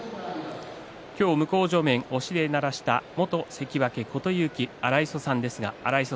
向正面、押しで鳴らした元関脇琴勇輝、荒磯さんです。